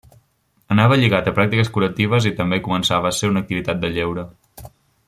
Anava lligat a pràctiques curatives i també començava a ser una activitat de lleure.